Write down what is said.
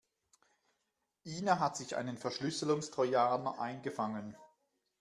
Ina hat sich einen Verschlüsselungstrojaner eingefangen.